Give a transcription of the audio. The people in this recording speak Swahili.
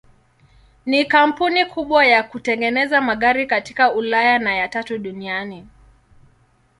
Ni kampuni kubwa ya kutengeneza magari katika Ulaya na ya tatu duniani.